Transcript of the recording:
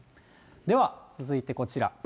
では続いてこちら。